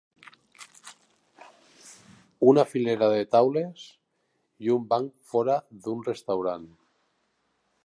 Una filera de taules i un banc fora d'un restaurant